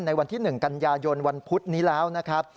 ในวันที่๑กันยายนวันพุธนี้แล้วนะครับ